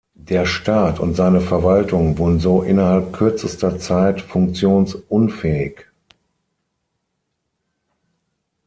Der Staat und seine Verwaltung wurden so innerhalb kürzester Zeit funktionsunfähig.